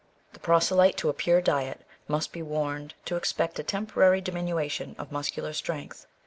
The proselyte to a pure diet must be warned to expect a temporary diminution of muscular strength.